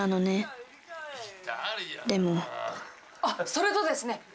あそれとですね！